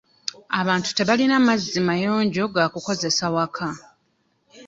Abantu tebalina mazzi mayonjo ga kukozesa waka.